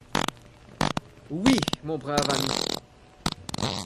Oui ! mon brave ami !